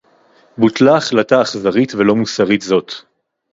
בוטלה החלטה אכזרית ולא מוסרית זאת